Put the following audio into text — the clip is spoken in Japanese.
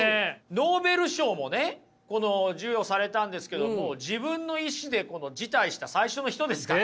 ノーベル賞もね授与されたんですけども自分の意思で辞退した最初の人ですから。